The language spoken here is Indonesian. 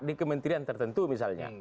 di kementerian tertentu misalnya